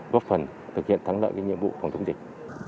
góp phần thực hiện thắng lợi cái nhiệm vụ phòng thống dịch